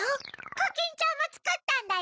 コキンちゃんもつくったんだよ。